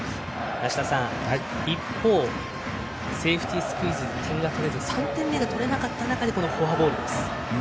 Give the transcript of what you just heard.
梨田さん、一方セーフティースクイズで３点目が取れなかった中でフォアボールです。